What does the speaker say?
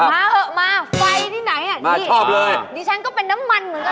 เถอะมาไฟที่ไหนอ่ะนี่ดิฉันก็เป็นน้ำมันเหมือนกัน